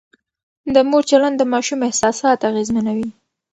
د مور چلند د ماشوم احساسات اغېزمنوي.